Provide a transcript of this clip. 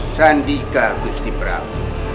sandika gusti braw